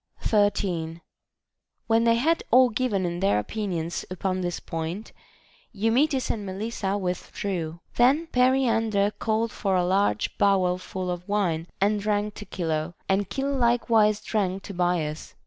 13. When they had all given in their opinions upon this point, Eumetis and Melissa withdrew. Then Periander called for a large bowl full of wine, and drank to Chilo ; and Chilo likewise drank to Bias.